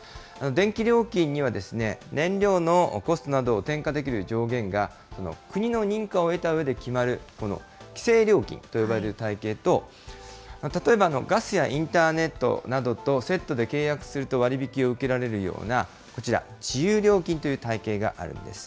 電気料金には、燃料のコストなどを転嫁できる上限が、国の認可を得たうえで決まる、この規制料金と呼ばれる体系と、例えばガスやインターネットなどとセットで契約すると割引を受けられるようなこちら、自由料金という体系があるんです。